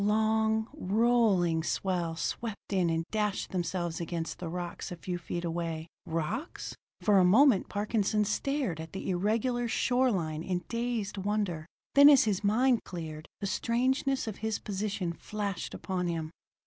Long, rolling swell swept in and dashed themselves against the rocks a few feet away. Rocks? For a moment Parkinson stared at the irregular shore line in dazed wonder. Then as his mind cleared, the strangeness of his position flashed upon him.